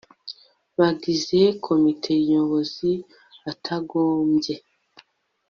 bagize komite nyobozi atagombye